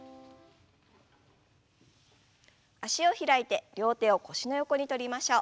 脚を開いて両手を腰の横にとりましょう。